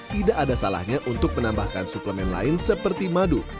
tidak ada salahnya untuk menambahkan suplemen lain seperti madu